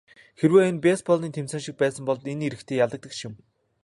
Хэрвээ энэ бейсболын тэмцээн шиг байсан бол энэ эрэгтэй ялагдагч юм.